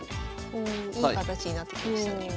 おいい形になってきましたね。